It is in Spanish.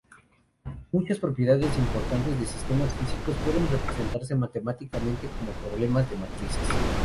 Muchas propiedades importantes de sistemas físicos pueden representarse matemáticamente como problemas de matrices.